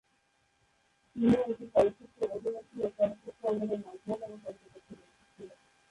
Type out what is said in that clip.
তিনিও একজন চলচ্চিত্র অভিনেত্রী ও চলচ্চিত্র অঙ্গনে নাজমা নামে পরিচিত ছিলেন।